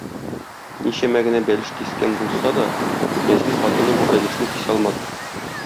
Ничәмә генә бәлеш кискән булса да, мәзин хатыны бу бәлешне кисә алмады.